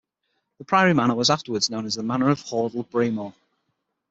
The priory manor was afterwards known as the manor of Hordle Breamore.